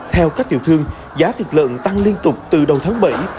theo các tiểu thương giá thịt lợn tăng liên tục từ đầu tháng bảy